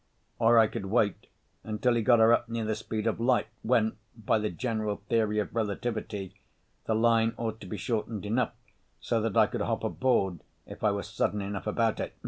(Or I could wait until he got her up near the speed of light, when by the General Theory of Relativity the line ought to be shortened enough so that I could hop aboard if I were sudden enough about it....